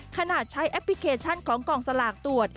ขนาดใช้แอปพลิเคชันของกองสลากตรวจ